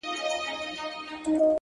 هره هڅه د شخصیت انعکاس دی’